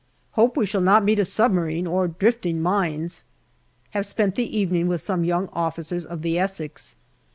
Hope we shall not meet a submarine or drifting mines. Have spent the evening with some young officers of the Essex.